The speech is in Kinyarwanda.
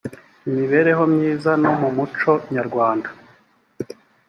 imibereho myiza no mu muco nyarwanda